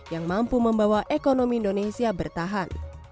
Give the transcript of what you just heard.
yang mampu membawa ekonomi indonesia bertahan